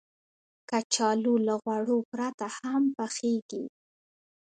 کچالو له غوړو پرته هم پخېږي